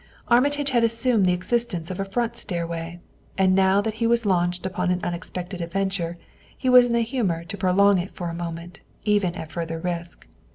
Armitage had assumed the existence of a front stairway, and now that he was launched upon an unexpected adventure, he was in a humor to prolong it for a moment, even at further risk.